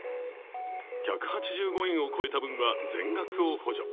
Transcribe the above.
１８５円を超えた分は全額を補助。